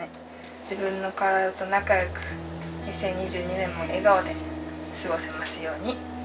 自分の体と仲よく２０２２年も笑顔で過ごせますように。